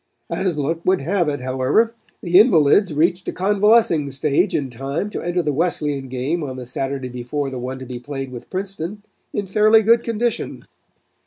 As luck would have it, however, the invalids reached a convalescing stage in time to enter the Wesleyan game on the Saturday before the one to be played with Princeton in fairly good condition.